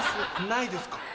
ないですか。